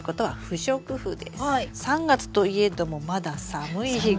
３月といえどもまだ寒い日が。